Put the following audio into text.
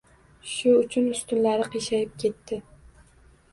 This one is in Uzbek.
Shu uchun ustunlari qiyshayib ketdi.